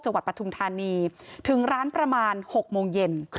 จังหวัดปทุมธานีถึงร้านประมาณ๖โมงเย็น